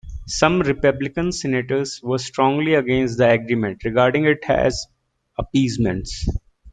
Some Republican Senators were strongly against the agreement, regarding it as appeasement.